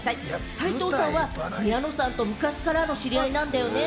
齊藤さんは宮野さんと昔からの知り合いなんだよね？